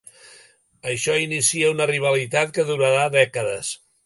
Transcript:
Això inicia una rivalitat que durarà dècades.